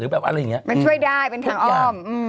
มันช่วยได้เป็นค่ะอ้อม